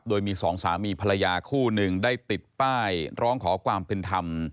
โดยมีสองสามีภรรยาคู่หนึ่งได้ติดป้ายร้องขอความเป็นธรรม